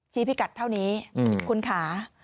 ชี้พิกัดเท่านี้คุณขา